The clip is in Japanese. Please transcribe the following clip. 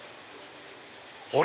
あれ？